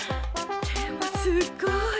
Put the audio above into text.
でもすっごい！